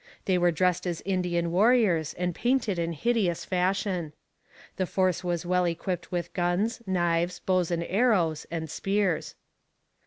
They were dressed as Indian warriors and painted in hideous fashion. The force was well equipped with guns, knives, bows and arrows, and spears.